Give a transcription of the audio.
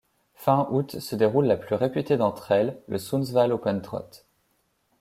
Fin août se déroule la plus réputée d'entre elles, le Sundsvall Open Trot.